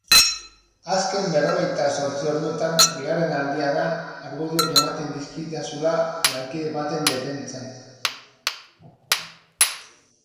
Azken berrogeita zortzi orduetan bigarren aldia da argudioak ematen dizkidazula lankide baten defentsan.